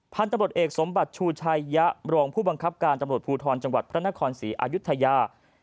พันธุ์ตำรวจเอกสมบัติชูชัยยะรองผู้บังคับการตำรวจภูทรจังหวัดพระนครศรีอายุทยา